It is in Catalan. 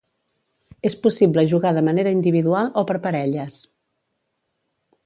És possible jugar de manera individual o per parelles.